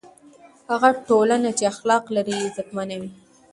هغه ټولنه چې اخلاق لري، عزتمنه وي.